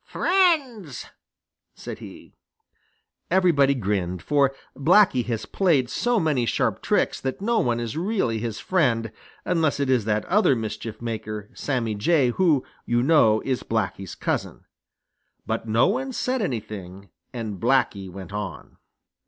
"Friends," said he. Everybody grinned, for Blacky has played so many sharp tricks that no one is really his friend unless it is that other mischief maker, Sammy Jay, who, you know, is Blacky's cousin. But no one said anything, and Blacky went on.